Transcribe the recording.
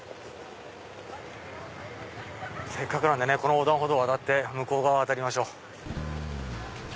せっかくなんでねこの横断歩道渡って向こう側渡りましょう。